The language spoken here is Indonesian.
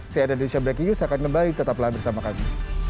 saya dandesya breaking news akan kembali tetaplah bersama kami